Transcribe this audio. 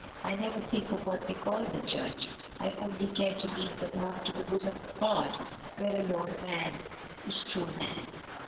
I never think of what they call the church. I only care to lead them home to the bosom of God, where alone man is true man.